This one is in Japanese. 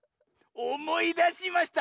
おもいだしました！